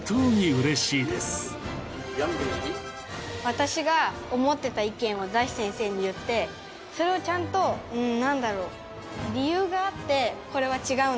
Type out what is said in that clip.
私が思ってた意見をザヒ先生に言ってそれをちゃんとうーんなんだろう。